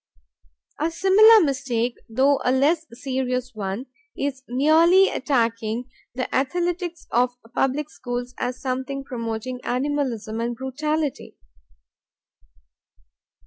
A similar mistake, though a less serious one, is merely attacking the athletics of public schools as something promoting animalism and brutality.